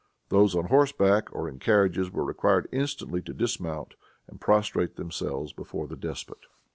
Those on horseback or in carriages were required instantly to dismount and prostrate themselves before the despot.